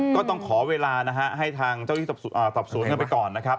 ก็ต้องขอเวลาให้ทางเจ้าที่ตอบสวนกันไปก่อน